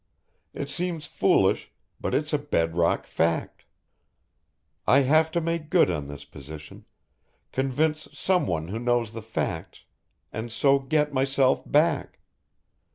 It seems foolish but it's a bed rock fact. I have to make good on this position, convince someone who knows the facts, and so get myself back.